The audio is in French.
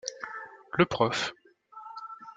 Le prof.